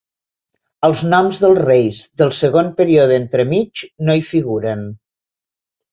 Els noms dels reis del segon període entremig no hi figuren.